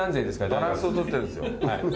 バランスを取ってるんですよ。